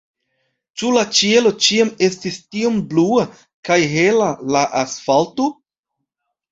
Ĉu la ĉielo ĉiam estis tiom blua, kaj hela la asfalto?